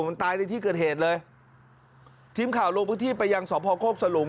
มันตายในที่เกิดเหตุเลยทีมข่าวลงพื้นที่ไปยังสพโคกสลุง